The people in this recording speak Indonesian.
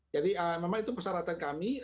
jadi memang itu persyaratan kami